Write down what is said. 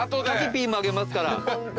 柿ピーもあげますから。